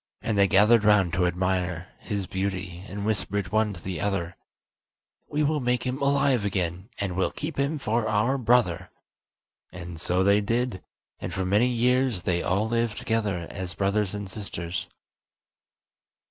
And they gathered round to admire his beauty, and whispered one to the other: "We will make him alive again, and will keep him for our brother." And so they did, and for many years they all lived together as brothers and sisters.